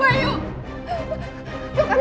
bayu kenapa bayu